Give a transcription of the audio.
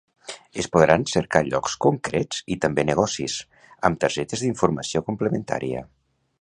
Es podran cercar llocs concrets i també negocis, amb targetes d'informació complementària.